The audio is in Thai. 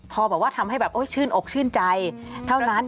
พอทำให้ชื่นอกชื่นใจเท่านั้น